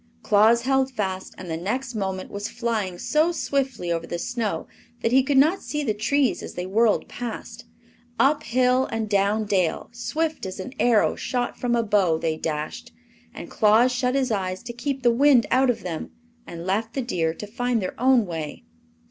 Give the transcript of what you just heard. Claus held fast and the next moment was flying so swiftly over the snow that he could not see the trees as they whirled past. Up hill and down dale, swift as an arrow shot from a bow they dashed, and Claus shut his eyes to keep the wind out of them and left the deer to find their own way.